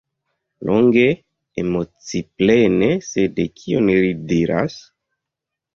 Longe, emociplene, sed kion li diras?